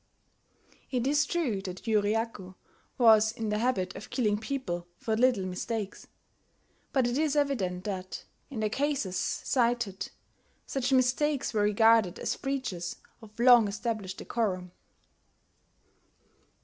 It is true that Yuriaku was in the habit of killing people for little mistakes; but it is evident that, in the cases cited, such mistakes were regarded as breaches of long established decorum.